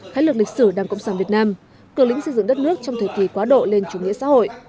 khái lược lịch sử đảng cộng sản việt nam cường lĩnh xây dựng đất nước trong thời kỳ quá độ lên chủ nghĩa xã hội